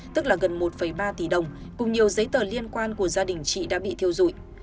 tức là gần một ba tỷ đồng cùng nhiều giấy tờ liên quan của gia đình chị đã bị thiêu dụi